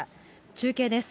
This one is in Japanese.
中継です。